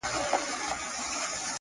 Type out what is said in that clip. هوډ د سختو ورځو تکیه ده!.